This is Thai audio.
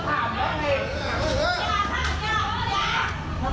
เราคุ้นเต๊อดเต๊อด